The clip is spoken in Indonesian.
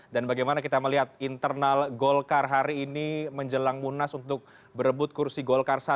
dan bagaimana kita melihat internal golkar hari ini menjelang munas untuk berebut kursi golkar satu